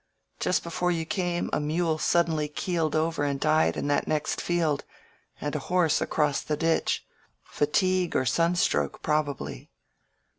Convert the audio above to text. Just before you came a mule suddenly keeled over and died in that next field, and a horse across the ditch. Fatigue or sunstroke, probably.